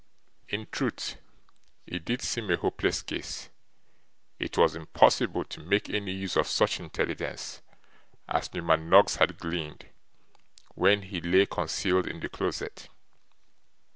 In truth, it did seem a hopeless case. It was impossible to make any use of such intelligence as Newman Noggs had gleaned, when he lay concealed in the closet.